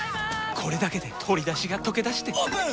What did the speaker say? これだけで鶏だしがとけだしてオープン！